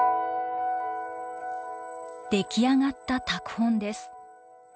出来上がった拓本です。